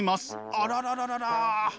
あららららら。